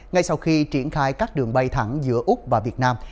ngay sau khi triển khai các đường bay thẳng giữa úc và việt nam